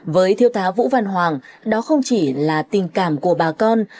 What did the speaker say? với thiêu tá vũ văn hoàng đó không chỉ là tình cảm của bà con